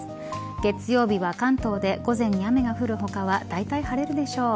月曜日は関東で午前に雨が降る他はだいたい晴れるでしょう。